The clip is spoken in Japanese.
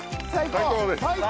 最高です。